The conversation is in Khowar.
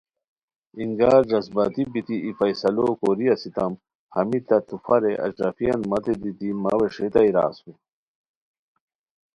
اِنگار جذباتی بیتی ای فیصلو کوری اسیتام، ہمیت تہ تخفہ رے اشرفیان متے دیتی مہ ویݰیتائے را اسور